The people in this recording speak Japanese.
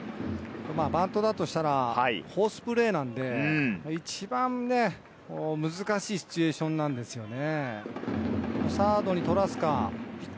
バントだとしたらフォースプレーなんで、一番難しいシチュエーションなんですよね。